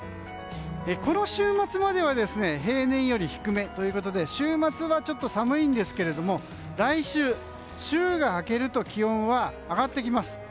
この週末までは平年より低めということで週末は寒いんですけれども来週、週が明けると気温は上がってきます。